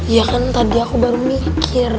ya kan tadi aku baru mikir